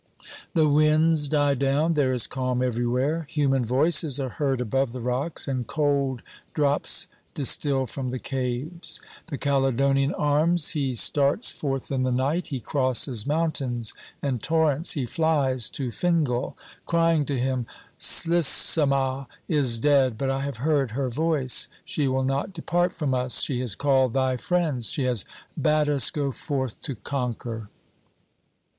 The winds die down, there is calm everywhere ; human voices are heard above the rocks, and cold drops distil from the caves. The Caledonian arms, he starts forth in the night, he crosses mountains and torrents, he flies to Fingal, crying to him : "Slisama is dead, but I have heard her voice. She will not depart from us. She has called thy friends ; she has bade us go forth to conquer."